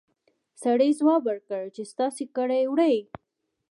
سړي ځواب ورکړ چې ستاسې کره يې وړي!